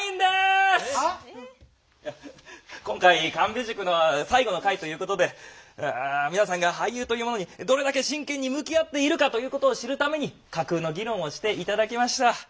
今回神戸塾の最後の回ということで皆さんが俳優というものにどれだけ真剣に向き合っているかということを知るために架空の議論をして頂きました。